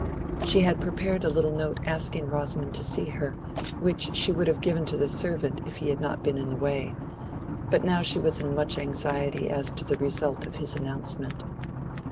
She had prepared a little note asking Rosamond to see her, which she would have given to the servant if he had not been in the way, but now she was in much anxiety as to the result of his announcement.